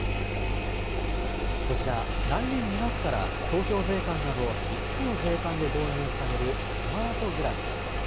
こちら、来年２月から東京税関など５つの税関で導入されるスマートグラスです。